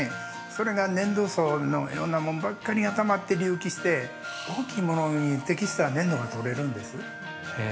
それが粘土層のようなもんばっかりがたまって隆起して大きいものに適した粘土がとれるんです。